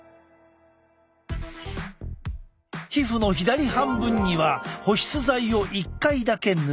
皮膚の左半分には保湿剤を１回だけ塗る。